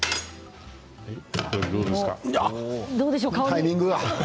タイミングが。